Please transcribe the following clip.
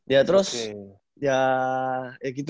ya terus ya gitu